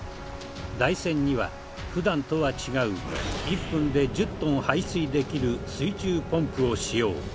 台船には普段とは違う１分で１０トン排水できる水中ポンプを使用。